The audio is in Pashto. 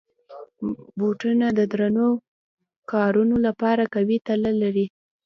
بوټونه د درنو کارونو لپاره قوي تله لري.